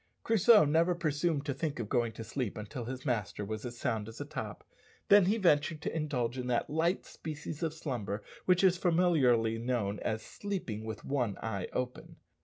Crusoe never presumed to think of going to sleep until his master was as sound as a top, then he ventured to indulge in that light species of slumber which is familiarly known as "sleeping with one eye open."